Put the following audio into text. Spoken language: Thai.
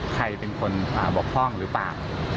ใครเป็นคนบกพร่องหรือเปล่า